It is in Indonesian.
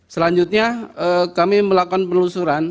selanjutnya kami melakukan penelusuran